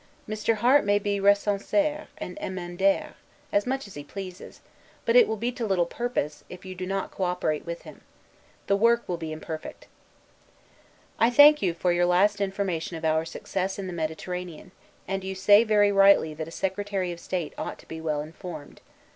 Mr. Harte may 'recensere' and 'emendare,' as much as he pleases; but it will be to little purpose, if you do not cooperate with him. The work will be imperfect. I thank you for your last information of our success in the Mediterranean, and you say very rightly that a secretary of state ought to be well informed.